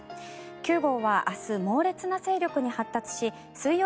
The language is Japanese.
９号は明日、猛烈な勢力に発達し水曜